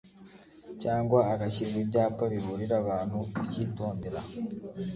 cyangwa hagashyirwa ibyapa biburira abantu kucyitondera